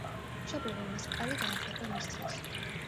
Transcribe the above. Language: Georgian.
მშობლებმა მას კარგი განათლება მისცეს.